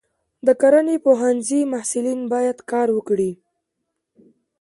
د کرنې پوهنځي محصلین باید کار وکړي.